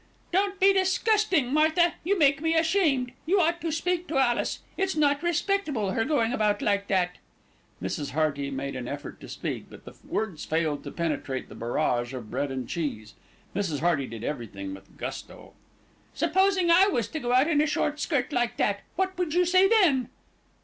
"Don't be disgusting, Martha. You make me ashamed. You ought to speak to Alice. It's not respectable, her going about like that." Mrs. Hearty made an effort to speak; but the words failed to penetrate the barrage of bread and cheese Mrs. Hearty did everything with gusto. "Supposing I was to go out in a short skirt like that. What would you say then?"